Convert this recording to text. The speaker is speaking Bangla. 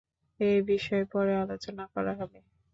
এ বিষয়ে পরে আলোচনা করা হবে।